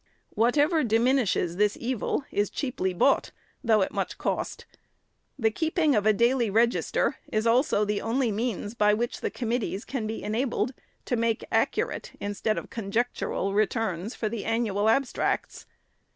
Whatever diminishes this evil is cheaply bought, though at much cost. The keeping of a daily Register is also the only means by which the committees can be enabled to make accurate, instead of conjectural, returns, for the Annual Abstracts.